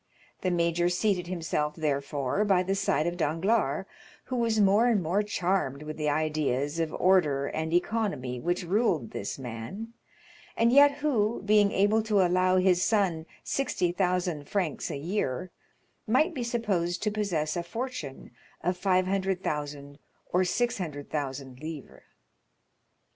The major seated himself, therefore, by the side of Danglars, who was more and more charmed with the ideas of order and economy which ruled this man, and yet who, being able to allow his son 60,000 francs a year, might be supposed to possess a fortune of 500,000 or 600,000 livres.